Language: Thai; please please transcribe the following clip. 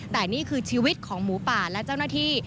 แต่นี่คือชีวิตของหมูป่าและเจ้าหน้าที่